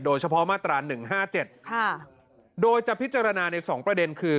โดยเฉพาะมาตราหนึ่งห้าเจ็ดค่ะโดยจะพิจารณาในสองประเด็นคือ